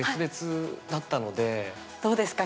どうですか？